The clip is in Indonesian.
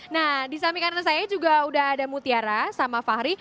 nah di samikanan saya juga sudah ada mutiara sama fahri